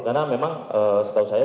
karena memang setahu saya